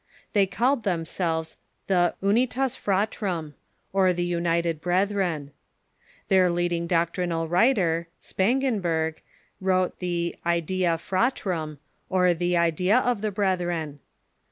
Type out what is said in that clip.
They called them selves the Unitas Fratrum, or the United Breth n '*''.°"I?" I'tm. Their leading doctrinal writer, Spangenberg, Doctrines ^' i »&' wrote the '' Idea Fratrum," or Idea of the Brethren.